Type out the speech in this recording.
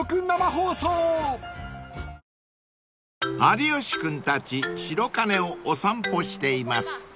［有吉君たち白金をお散歩しています］